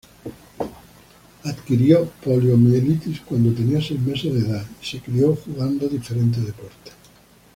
Adquirió poliomielitis cuando tenía seis meses de edad, y se crio jugando diferentes deportes.